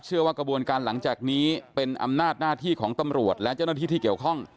ว่ากระบวนการหลังจากนี้เป็นอำนาจหน้าที่ของตำรวจและเจ้าหน้าที่ที่เกี่ยวข้อง